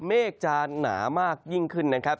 เมฆจะหนามากยิ่งขึ้นนะครับ